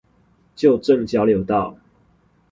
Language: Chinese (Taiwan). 舊正交流道